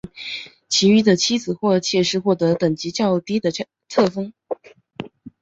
其余的妻子或妾室获得等级较低的册封。